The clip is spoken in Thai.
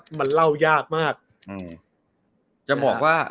จากเรื่องมันก็จะยังมี